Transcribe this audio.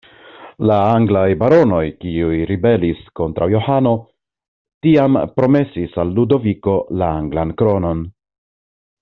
La anglaj baronoj, kiuj ribelis kontraŭ Johano, tiam promesis al Ludoviko la anglan kronon.